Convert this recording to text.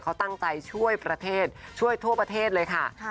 เขาตั้งใจช่วยประเทศช่วยทั่วประเทศเลยค่ะ